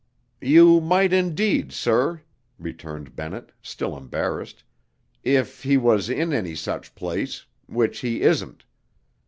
"You might indeed, sir," returned Bennett, still embarrassed, "if he was in any such place, which he isn't.